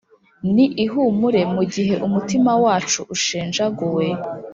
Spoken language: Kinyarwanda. ni ihumure mu gihe umutima wacu ushenjaguwe